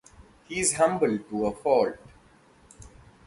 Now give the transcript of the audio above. He is humble to a fault.